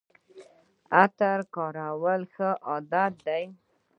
عطر لګول ښه عادت دی